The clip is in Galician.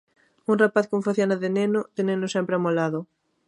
Un rapaz con faciana de neno, de neno sempre amolado.